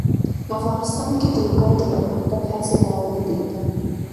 افغانستان کې د لوگر د پرمختګ هڅې روانې دي.